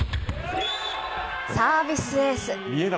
サービスエース。